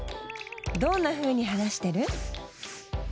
どんなふうに話してる？